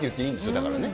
だからね。